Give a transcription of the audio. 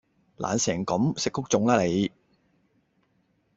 懶成咁！食谷種啦你